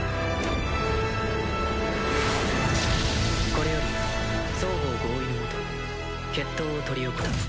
これより双方合意の下決闘を執り行う。